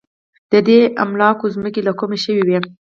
د دې املاکو ځمکې له کومه شوې وې.